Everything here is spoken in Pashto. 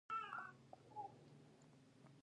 یو سل او اووه پنځوسمه پوښتنه د مکتوب په اړه ده.